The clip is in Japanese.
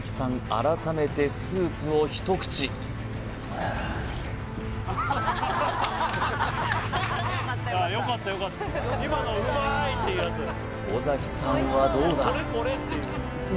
改めてスープを一口尾崎さんはどうだ？